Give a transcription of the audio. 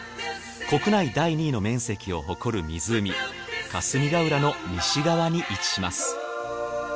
国内第２位の面積を誇る湖霞ヶ浦の西側に位置します。